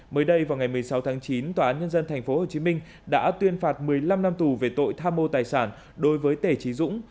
mới đây vào ngày một mươi sáu tháng chín tòa án nhân dân tp hcm đã tuyên phạt một mươi năm năm tù về tội tham mô tài sản đối với tề trí dũng